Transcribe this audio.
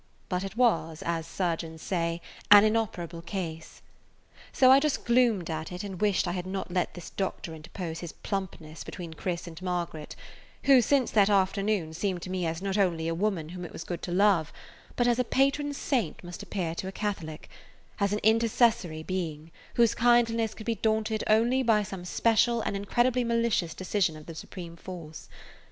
But it was, as surgeons say, an inoperable case. So I just gloomed at it and wished I had not let this doctor interpose his plumpness between Chris and Margaret, who since that afternoon seemed to me as not only a woman whom it was good to love, but, as a patron saint must appear to a Catholic, as an intercessory being whose kindliness could be daunted only by some [Page 155] special and incredibly malicious decision of the Supreme Force.